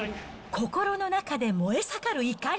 心の中で燃え盛る怒り。